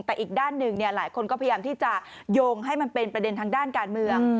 แต่อีกด้านหนึ่งหลายคนก็พยายามที่จะโยงให้มันเป็นประเด็นทางด้านการเมือง